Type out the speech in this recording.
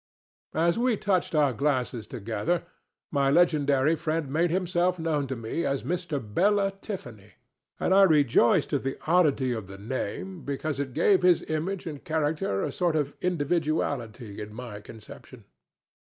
As we touched our glasses together, my legendary friend made himself known to me as Mr. Bela Tiffany, and I rejoiced at the oddity of the name, because it gave his image and character a sort of individuality in my conception.